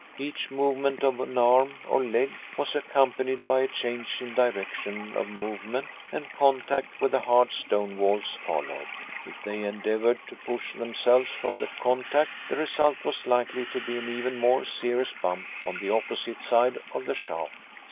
Each movement of an arm or leg was accompanied by a change in direction of movement, and contact with the hard stone walls followed. If they endeavored to push themselves from the contact the result was likely to be an even more serious bump on the opposite side of the shaft.